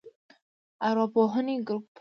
ارواپوهنې ګروپ